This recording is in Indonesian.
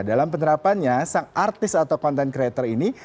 dalam penerapannya sang artis atau content creator ini